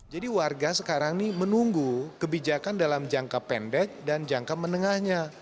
jadi warga sekarang ini menunggu kebijakan dalam jangka pendek dan jangka menengahnya